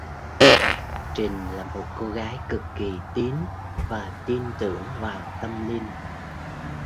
Trình là một cô gái cực kỳ tín và tin tưởng vào tâm linh